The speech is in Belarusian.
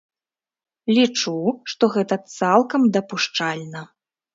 Лічу, што гэта цалкам дапушчальна.